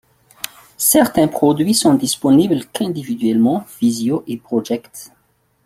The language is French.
Certains produits sont disponibles qu'individuellement Visio et Project.